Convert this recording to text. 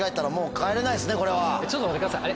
ちょっと待ってくださいあれ？